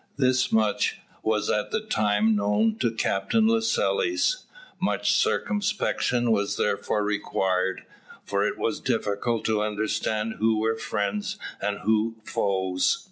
Thus much was at the time known to Captain Lascelles. Much circumspection was therefore required, for it was difficult to understand who were friends and who foes.